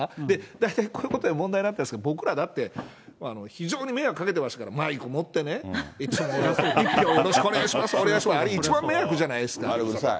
大体こういうことで問題になってるんですが、僕らだって、非常に迷惑かけてますけど、マイク持ってね、いつも一票よろしくお願いしますって、あれ、一番迷惑じゃあれ、うるさい。